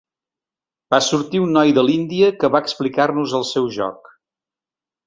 Va sortir un noi de l’Índia que va explicar-nos el seu joc.